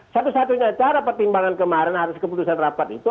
satu satunya cara pertimbangan kemarin atas keputusan rapat itu